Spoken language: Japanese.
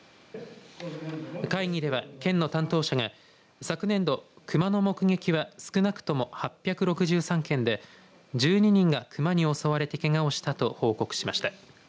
会議では県の担当者が昨年度、クマの目撃は少なくとも８６３件で１２人がクマに襲われてけがをしたと報告しました。